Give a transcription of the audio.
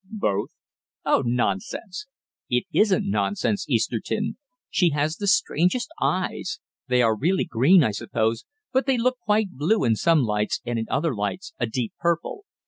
"Both." "Oh, nonsense." "It isn't nonsense, Easterton. She has the strangest eyes they are really green, I suppose, but they look quite blue in some lights, and in other lights deep purple.